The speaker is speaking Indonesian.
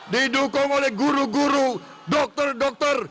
didukung oleh guru guru dokter dokter